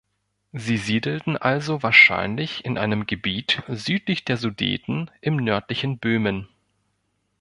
Sie siedelten also wahrscheinlich in einem Gebiet südlich der Sudeten im nördlichen Böhmen.